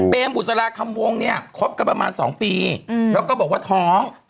เป็นบุษราคำวงเนี่ยคบกันประมาณ๒ปีแล้วก็บอกว่าท้อง